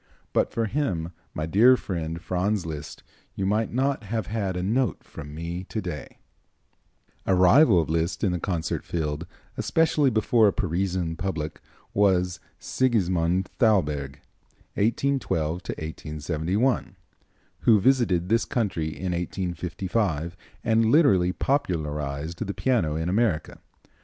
But for him, my dear friend, Franz Liszt, you might not have had a note from me to day." A rival of Liszt in the concert field, especially before a Parisian public, was Sigismund Thalberg (1812 1871), who visited this country in 1855 and literally popularized the piano in America.